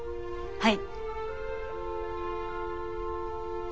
はい。